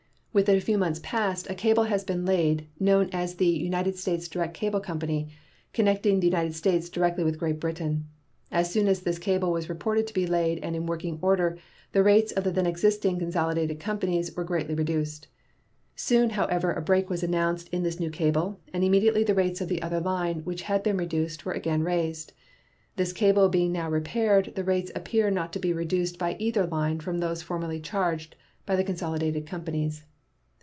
Within a few months past a cable has been laid, known as the United States Direct Cable Company, connecting the United States directly with Great Britain. As soon as this cable was reported to be laid and in working order the rates of the then existing consolidated companies were greatly reduced. Soon, however, a break was announced in this new cable, and immediately the rates of the other line, which had been reduced, were again raised. This cable being now repaired, the rates appear not to be reduced by either line from those formerly charged by the consolidated companies.